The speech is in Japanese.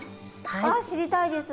あ知りたいです。